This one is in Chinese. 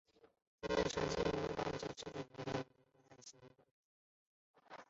他长期担任鹿特丹国际电影节制作人以及柏林国际电影节的新闻官。